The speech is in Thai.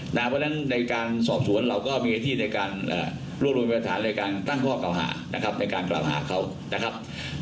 เพราะฉะนั้นในการสอบสวนเราก็มีที่ในการรวบรวมประธานในการตั้งข้อเก่าหานะครับในการกล่าวหาเขานะครับ